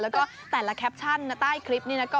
แล้วก็แต่ละแคปชั่นใต้คลิปนี้นะ